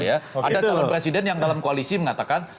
ada calon presiden yang dalam koalisi mengatakan